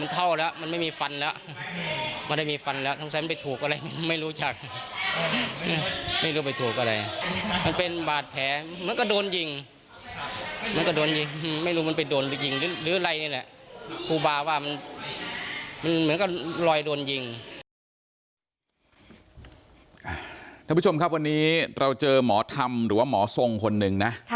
ท่านผู้ชมครับวันนี้เราเจอหมอธรรมหรือว่าหมอทรงคนหนึ่งนะ